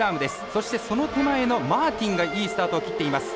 そして、その手前のマーティンがいいスタートを切っています。